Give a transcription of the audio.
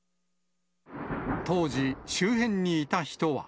当時、周辺にいた人は。